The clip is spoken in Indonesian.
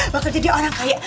bakal jadi orang kaya